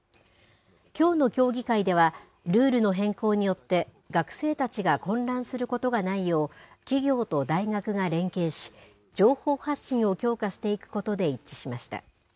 きょうの協議会では、ルールの変更によって、学生たちが混乱することがないよう、企業と大学が連携し、情報発信を強化していくことで一致しました。